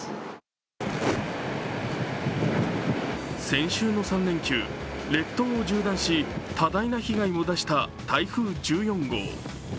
先週の３連休、列島を縦断し多大な被害を出した台風１４号。